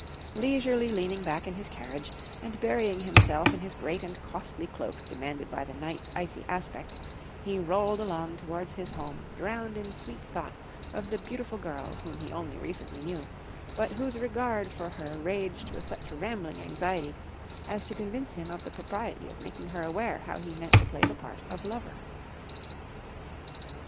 Leisurely leaning back in his carriage, and burying himself in his great and costly cloak demanded by the night's icy aspect, he rolled along towards his home drowned in sweet thought of the beautiful girl whom he only recently knew, but whose regard for her raged with such rambling anxiety as to convince him of the propriety of making her aware how he meant to play the part of lover.